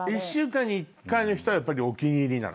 １週間に１回の人はお気に入り？